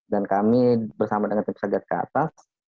dan kami bersama dengan tim satgas ke atas